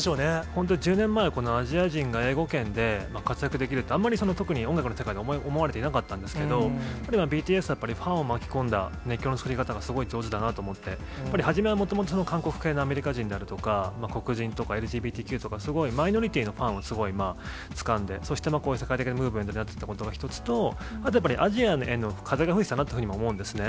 本当に、１０年前、このアジア人が英語圏で活躍できるってあんまり特に音楽の世界では思われてなかったんですけれども、ＢＴＳはやっぱりファンを巻き込んだ熱狂の作り方がすごい上手だなと思って、やっぱり初めはもともと韓国系のアメリカ人であるとか、黒人とかＬＧＢＴＱとか、すごいマイノリティーのファンをすごいつかんでそして世界的なムーブメントになったことが一つと、あとやっぱり、アジアへの風が吹いていたなと思うんですね。